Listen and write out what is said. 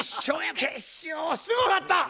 決勝すごかった！